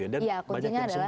iya kuncinya adalah semangat